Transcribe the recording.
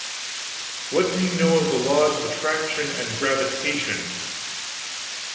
"What do you know of the laws of attraction and gravitation?"